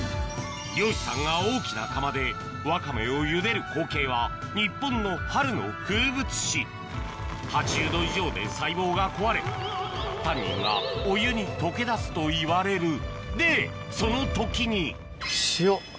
漁師さんが大きな釜でワカメをゆでる光景は日本の春の風物詩８０℃以上で細胞が壊れタンニンがお湯に溶け出すといわれるでその時に塩。